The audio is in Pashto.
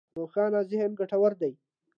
روښانه ذهن ګټور دی.